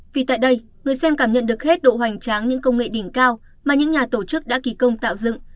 vì tại đây người xem cảm nhận được hết độ hoành tráng những công nghệ đỉnh cao mà những nhà tổ chức đã ký công tạo dựng